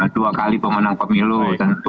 dua kali pemenang pemilu tentu